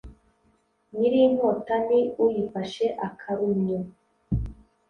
nyiri inkota ni uyifashe akarumyo